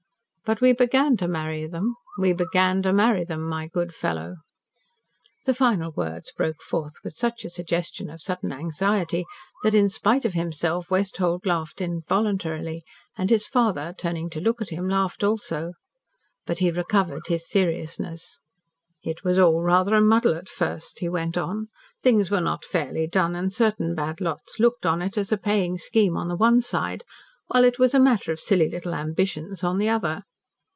But we began to marry them we began to marry them, my good fellow!" The final words broke forth with such a suggestion of sudden anxiety that, in spite of himself, Westholt laughed involuntarily, and his father, turning to look at him, laughed also. But he recovered his seriousness. "It was all rather a muddle at first," he went on. "Things were not fairly done, and certain bad lots looked on it as a paying scheme on the one side, while it was a matter of silly, little ambitions on the other.